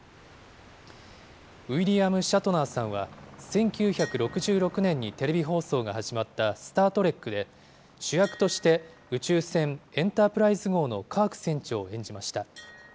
ウィリアム・シャトナーさんは、１９６６年にテレビ放送が始まったスター・トレックで、主役として宇宙船エンタープライズ号のカーク船長を演じました。